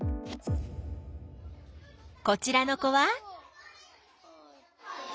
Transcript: こちらの子は？